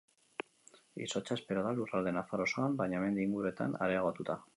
Izotza espero da lurralde nafar osoan, baina mendi inguruetan areagotuta.